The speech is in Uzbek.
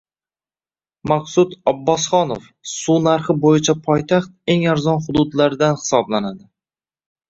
Maqsud Abbosxonov: Suv narxi bo‘yicha poytaxt eng arzon hududlardan hisoblanadi